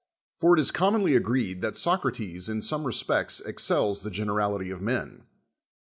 For it is commonly agreed that Socrates in some respects excels tlie generality of men.